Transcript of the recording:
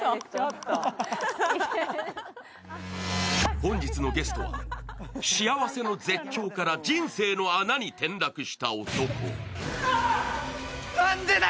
本日のゲストは、幸せの絶頂から人生の穴に転落した男。